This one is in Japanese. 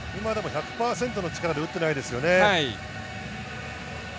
今でも１００％の力では打っていないですよね。